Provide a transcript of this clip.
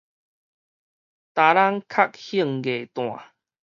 擔籠較興藝旦